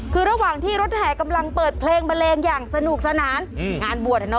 คือระหว่างที่รถแห่กำลังเปิดเพลงบันเลงอย่างสนุกสนานงานบวช